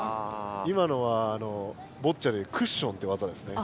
今のはボッチャでクッションっていう技ですね。